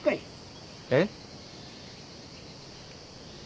えっ？